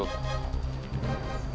nung kamu mau jemput